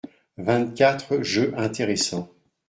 Vingt-quatre jeux intéressants.